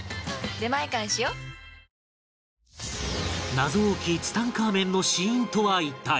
謎多きツタンカーメンの死因とは一体？